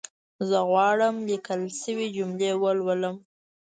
زه غواړم ليکل شوې جملي ولولم